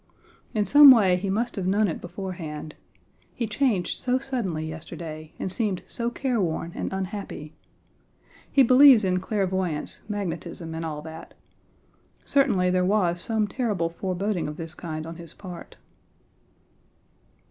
In some way he must have known it beforehand. He changed so suddenly yesterday, and seemed so careworn and unhappy. He believes in clairvoyance, magnetism, and all that. Certainly, there was some terrible foreboding of this kind on his part.